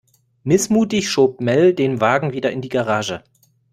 Missmutig schob Mel den Wagen wieder in die Garage.